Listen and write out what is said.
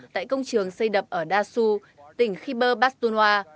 tại công trường xây đập ở dasu tỉnh khyber bastunwa